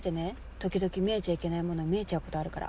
時々見えちゃいけないもの見えちゃうことあるから。